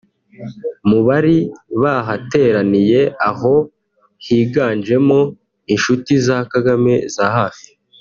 Mu bari bahateraniye aho higanjemo inshuti za Kagame za hafi